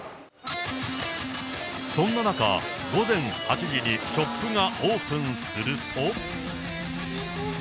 そんな中、午前８時にショップがオープンすると。